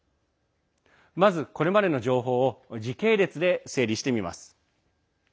まず、これまでの情報を時系列で整理してみます。